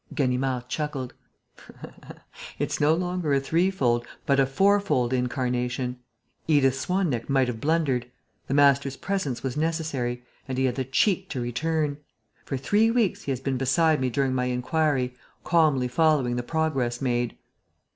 Ganimard chuckled. "It's no longer a threefold, but a fourfold incarnation. Edith Swan neck might have blundered. The master's presence was necessary; and he had the cheek to return. For three weeks, he has been beside me during my inquiry, calmly following the progress made."